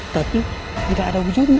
tapi tidak ada ujungnya